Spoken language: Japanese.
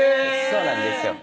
そうなんですよ